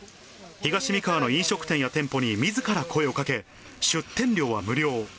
東三河の飲食店や店舗にみずから声をかけ、出店料は無料。